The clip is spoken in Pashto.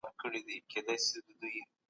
کوم اثر چي تاسو وڅېړل خورا ارزښتمن و.